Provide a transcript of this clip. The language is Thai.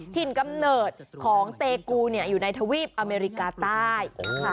ถิ่นกำเนิดของเตกูอยู่ในทวีปอเมริกาใต้